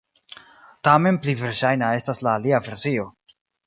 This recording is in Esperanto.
Tamen pli verŝajna estas la alia versio.